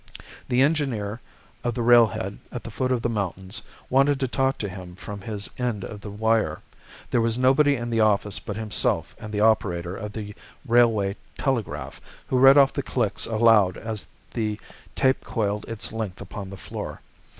The engineer of the railhead, at the foot of the mountains, wanted to talk to him from his end of the wire. There was nobody in the office but himself and the operator of the railway telegraph, who read off the clicks aloud as the tape coiled its length upon the floor.